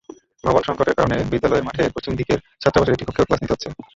ভবন-সংকটের কারণে বিদ্যালয়ের মাঠের পশ্চিম দিকের ছাত্রাবাসের একটি কক্ষেও ক্লাস নিতে হচ্ছে।